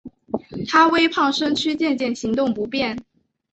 她微胖身躯渐渐行动不便